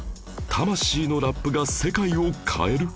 魂のラップが世界を変える？